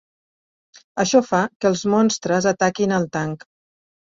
Això fa que els monstres ataquin el tanc.